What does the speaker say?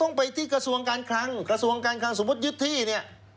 ต้องไปที่กระทรวงการคลังสมมุติยึดที่เนี่ย